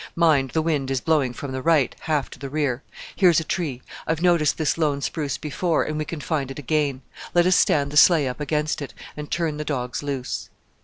Mind, the wind is blowing from the right, half to the rear. Here's a tree; I've noticed this lone spruce before, and we can find it again. Let us stand the sleigh up against it, and turn the dogs loose."